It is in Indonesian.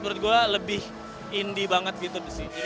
menurut gue lebih indie banget gitu